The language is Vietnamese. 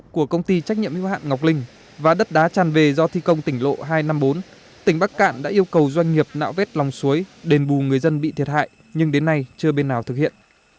của công ty trách nhiệm hữu hạn ngọc linh và đất đá tràn về do thi công tỉnh lộ hai trăm năm mươi bốn tỉnh bắc cạn đã yêu cầu doanh nghiệp nạo vét lòng suối đền bù người dân bị thiệt hại nhưng đến nay chưa bên nào thực hiện